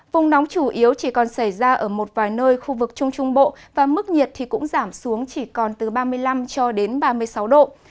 vùng nóng chủ yếu chỉ còn xảy ra ở một vài nơi khu vực trung trung bộ và mức nhiệt thì cũng giảm xuống chỉ còn từ ba mươi năm cho đến ba mươi sáu độ